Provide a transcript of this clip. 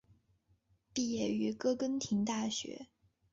毕业于哥廷根大学。